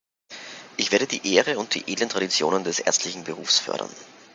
Ich werde die Ehre und die edlen Traditionen des ärztlichen Berufes fördern.